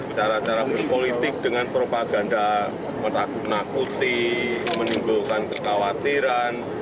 cara cara berpolitik dengan propaganda menakuti menimbulkan kekhawatiran